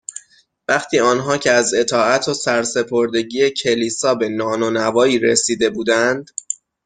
وقتی آنها که از اطاعت و سرسپردگی کلیسا به نان و نوایی رسیده بودند